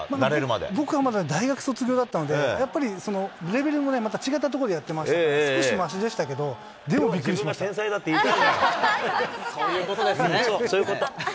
僕はまだ大学卒業だったので、またレベルも違ったところでやってましたが、少しましでしたけど、自分が天才だって言ってるんそういうことですね。